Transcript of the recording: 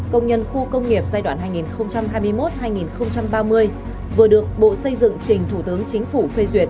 công nhân khu công nghiệp giai đoạn hai nghìn hai mươi một hai nghìn ba mươi vừa được bộ xây dựng trình thủ tướng chính phủ phê duyệt